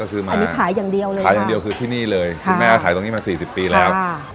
อันนี้ขายอย่างเดียวเลยขายอย่างเดียวคือที่นี่เลยคุณแม่ขายตรงนี้มาสี่สิบปีแล้ว